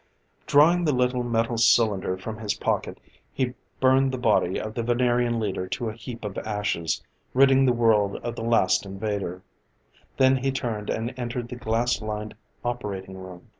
Drawing the little metal cylinder from his pocket, he burned the body of the Venerian leader to a heap of ashes, ridding the world of the last invader. Then he turned and entered the glass lined operating room.